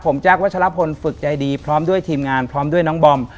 ผมแจ๊ควัชลพลฝึกใจดีพร้อมด้วยทีมงานพร้อมด้วยน้องบอม